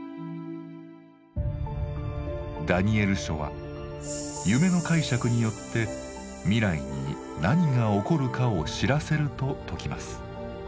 「ダニエル書」は夢の解釈によって未来に「何が起こるかを知らせる」と説きます。